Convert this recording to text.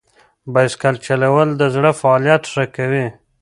بایسکل چلول د زړه فعالیت ښه کوي.